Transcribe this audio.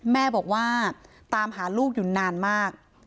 แม่บอกว่าตามหาลูกอยู่นานมาก